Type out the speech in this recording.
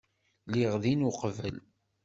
Lliɣ din uqbel.